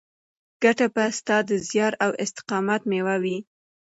ګټه به ستا د زیار او استقامت مېوه وي.